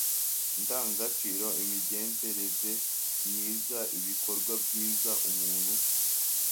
Indangagaciro Imigenzereze myiza ibikorwa byiza umuntu